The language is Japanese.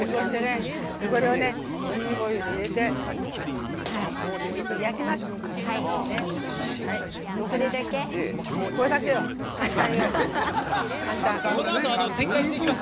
オリーブオイル入れて焼きます。